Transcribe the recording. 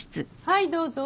・はいどうぞ。